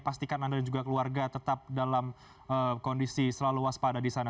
pastikan anda dan juga keluarga tetap dalam kondisi selalu waspada di sana